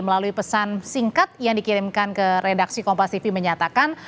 melalui pesan singkat yang dikirimkan ke redaksi kompas tv menyatakan